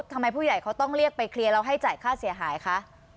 ทำไมผู้ใหญ่เขาต้องเรียกไปเคลียร์แล้วให้จ่ายค่าเสียหายคะ